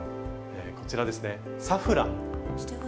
こちらですね「サフラン」。